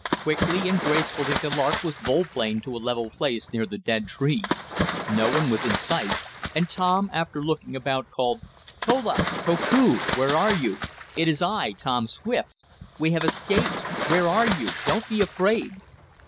Quickly and gracefully the Lark was volplaned to a level place near the dead tree. No one was in sight, and Tom, after looking about, called: "Tola! Koku! Where are you? It is I, Tom Swift! We have escaped! Where are you? Don't be afraid!"